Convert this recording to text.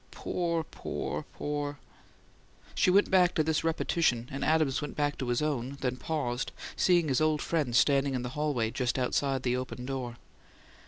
Poor, poor, poor " She went back to this repetition; and Adams went back to his own, then paused, seeing his old friend standing in the hallway outside the open door.